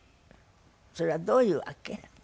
それはどういうわけ？